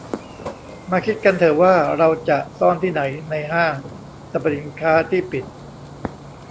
มาคิดกันเถอะว่าเราจะซ่อนที่ไหนในห้างสรรพสินค้าที่ปิด